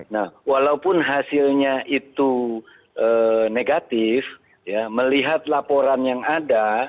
nah walaupun hasilnya itu negatif melihat laporan yang ada